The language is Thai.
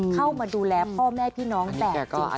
เข้ามาดูแลพ่อแม่พี่น้องแบบจริง